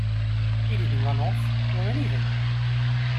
He didn't run off, or anything.